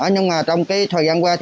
nhưng trong thời gian qua